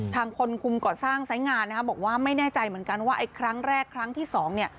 คนคุมก่อสร้างไซส์งานนะครับบอกว่าไม่แน่ใจเหมือนกันว่าไอ้ครั้งแรกครั้งที่สองเนี่ย